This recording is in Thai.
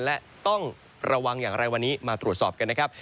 และต้องระวังอย่างไรวันนี้มาตรวจสอบกันนะครับ